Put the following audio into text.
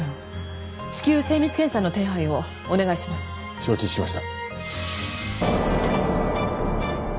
承知しました。